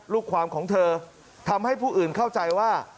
ลูกความของเธอทำให้ผู้อื่นเข้าใจว่า